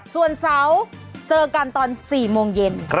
ส่วนเสาร์เจอกันตอน๔โมงเย็น